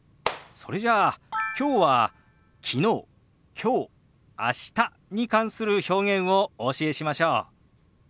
それじゃあきょうは昨日きょう明日に関する表現をお教えしましょう。